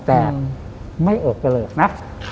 แต่ไม่เอิ่มเกลือกนะ